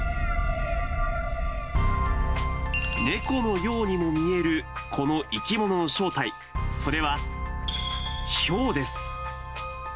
猫のようにも見える、この生き物の正体、それはヒョウです。